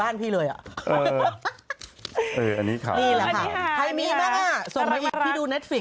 นี่แหละฮะใครมีมาจ้องมีพี่ดูเน็กฟิก